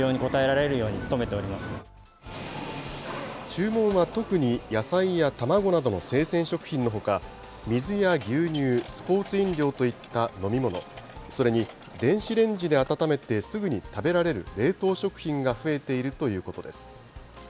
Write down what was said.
注文は特に、野菜や卵などの生鮮食品のほか、水や牛乳、スポーツ飲料といった飲み物、それに電子レンジで温めて、すぐに食べられる冷凍食品が増えているということです。